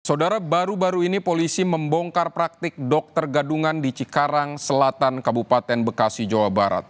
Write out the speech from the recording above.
saudara baru baru ini polisi membongkar praktik dokter gadungan di cikarang selatan kabupaten bekasi jawa barat